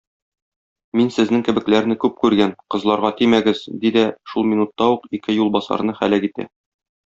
Мин сезнең кебекләрне күп күргән, кызларга тимәгез! - ди дә шул минутта ук ике юлбасарны һәлак итә.